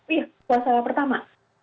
iya puasa pertama